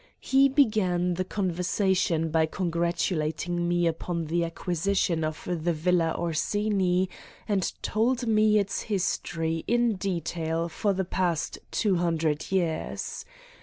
He began the con versation by congratulating me upon the acquisi tion of the Villa Orsini and told me its history in detail for the past 200 years.